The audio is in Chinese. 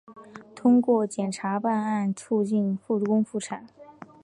通过检察办案促进复工复产